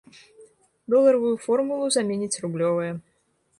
Доларавую формулу заменіць рублёвая.